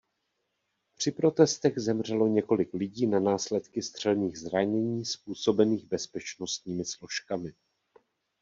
Při protestech zemřelo několik lidí na následky střelných zranění způsobených bezpečnostními složkami.